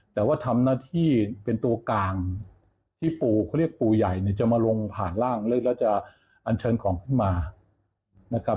แต่ว่าทำหน้าที่เป็นตัวกลางที่ปู่เขาเรียกปู่ใหญ่เนี่ยจะมาลงผ่านร่างเล็กแล้วจะอันเชิญของขึ้นมานะครับ